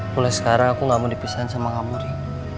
mulai sekarang aku gak mau dipesain sama kamu ri